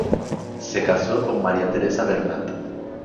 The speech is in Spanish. Se casó con María Teresa Bernat.